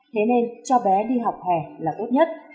thế nên cho bé đi học hè là tốt nhất